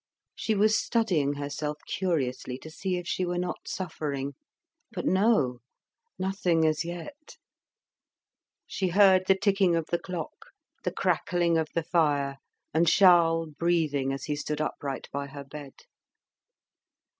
She was studying herself curiously, to see if she were not suffering. But no! nothing as yet. She heard the ticking of the clock, the crackling of the fire, and Charles breathing as he stood upright by her bed.